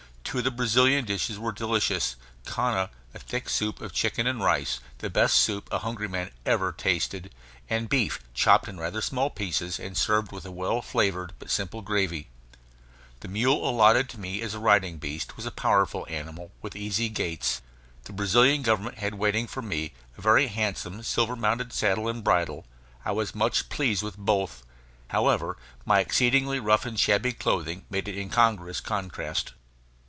Two of the Brazilian dishes were delicious: canja, a thick soup of chicken and rice, the best soup a hungry man ever tasted; and beef chopped in rather small pieces and served with a well flavored but simple gravy. The mule allotted me as a riding beast was a powerful animal, with easy gaits. The Brazilian Government had waiting for me a very handsome silver mounted saddle and bridle; I was much pleased with both. However, my exceedingly rough and shabby clothing made an incongruous contrast.